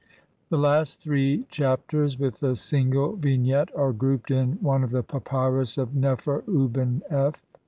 The last three Chapters, with a single vignette, are grouped in one in the Papyrus of Nefer uben f (see Naville, op.